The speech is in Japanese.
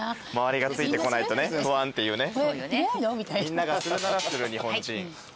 みんながするならする日本人。